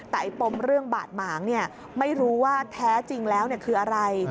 แต่ไอ้ปมเรื่องบาดหมางไม่รู้ว่าแท้จริงแล้วคืออะไร